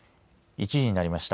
１時になりました。